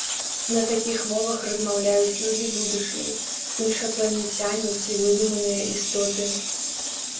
На такіх мовах размаўляюць людзі будучыні, іншапланецяне ці выдуманыя істоты.